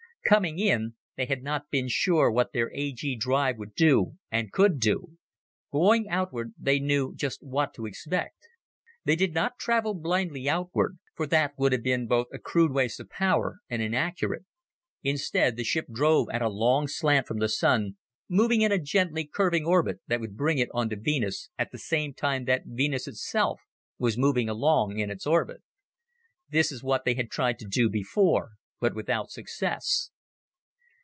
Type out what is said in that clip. Coming in, they had not been sure what their A G drive would do and could do. Going outward they knew just what to expect. They did not travel blindly outward, for that would have been both a crude waste of power and inaccurate. Instead, the ship drove at a long slant from the Sun, moving in a gently curving orbit that would bring it onto Venus at the same time that Venus itself was moving along in its orbit. This is what they had tried to do before, but without success.